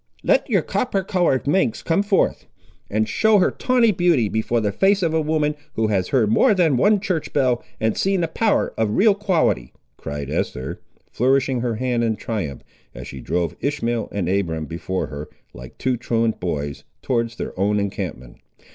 "Let your copper coloured minx come forth, and show her tawney beauty before the face of a woman who has heard more than one church bell, and seen a power of real quality," cried Esther, flourishing her hand in triumph, as she drove Ishmael and Abiram before her, like two truant boys, towards their own encampment.